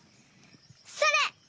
それ！